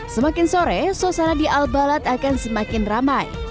semakin sore sosial di al balad akan semakin ramai